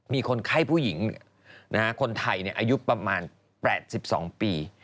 มีคนไข้ผู้หญิงคนไทยอายุประมาณ๘๒ปี